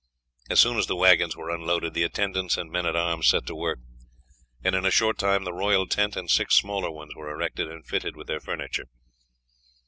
As soon as the waggons were unloaded the attendants and men at arms set to work, and in a short time the royal tent and six smaller ones were erected and fitted with their furniture.